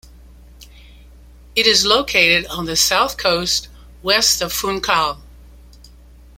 It is located on the south coast, west of Funchal.